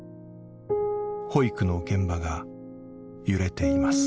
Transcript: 保育の現場が揺れています。